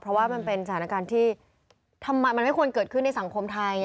เพราะว่ามันเป็นสถานการณ์ที่ทำไมมันไม่ควรเกิดขึ้นในสังคมไทย